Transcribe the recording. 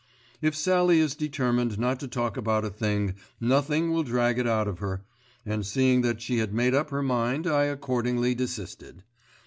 If Sallie is determined not to talk about a thing, nothing will drag it out of her, and seeing that she had made up her mind I accordingly desisted.